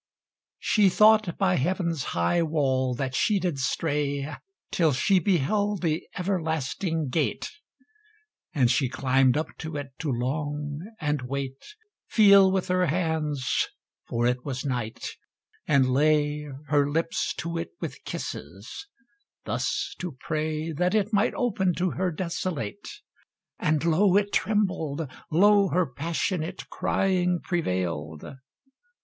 She thought by heaven's high wall that she did stray Till she beheld the everlasting gate: And she climbed up to it to long, and wait, Feel with her hands (for it was night), and lay Her lips to it with kisses; thus to pray That it might open to her desolate. And lo! it trembled, lo! her passionate Crying prevailed.